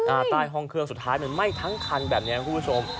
อ่าใต้ห้องเครืองสุดท้ายหรือไหม้ทั้งคันแบบนี้นะครับผู้ผู้ชม